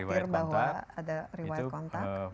khawatir bahwa ada riwayat kontak